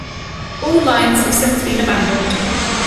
All lines have since been abandoned.